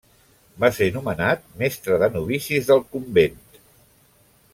Va ser nomenat mestre de novicis del convent.